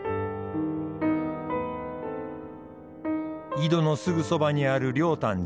井戸のすぐそばにある龍潭寺。